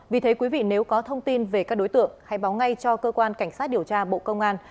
vì thế quý vị nếu có thông tin về các đối tượng hãy báo ngay cho cơ quan cảnh sát điều tra bộ công an